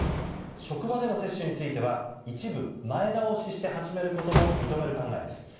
職場での接種については一部、前倒しして始めることも認める考えです。